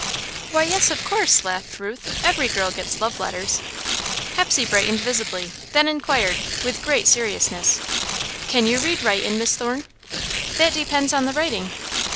"Why, yes, of course," laughed Ruth. "Every girl gets love letters." Hepsey brightened visibly, then inquired, with great seriousness: "Can you read writin', Miss Thorne?" "That depends on the writing."